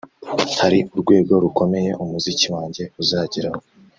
hari urwego rukomeye umuziki wanjye uzageraho